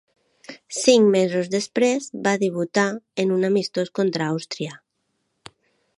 Cinc mesos després va debutar en un amistós contra Àustria.